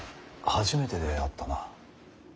初めてであったな。